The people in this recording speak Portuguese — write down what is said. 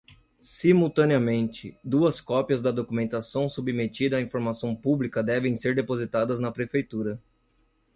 Simultaneamente, duas cópias da documentação submetida à informação pública devem ser depositadas na Prefeitura.